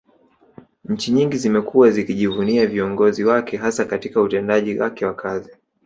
Nchi nyingi zimekuwa zikijivunia viongozi wake hasa Katika utendaji wake wa kazi